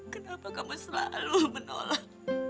kenapa kamu selalu menolak